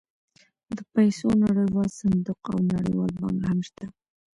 د پیسو نړیوال صندوق او نړیوال بانک هم شته